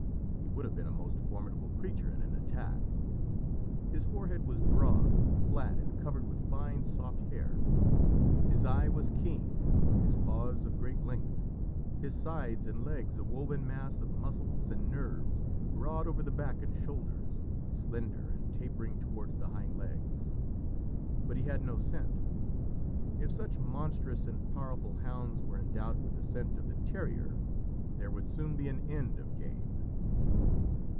He would have been a most formidable creature in an attack. His forehead was broad, flat, and covered with fine soft hair; his eye was keen, his paws of great length, his sides and legs a woven mass of muscles and nerves, broad over the back and shoulders, slender and tapering towards the hind legs. But he had no scent. If such monstrous and powerful hounds were endowed with the scent of the terrier there would soon be an end of game.